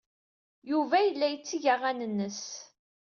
Yuba yella yetteg aɣan-nnes.